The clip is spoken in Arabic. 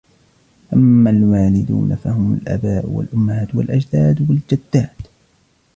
فَأَمَّا الْوَالِدُونَ فَهُمْ الْآبَاءُ وَالْأُمَّهَاتُ وَالْأَجْدَادُ وَالْجَدَّاتُ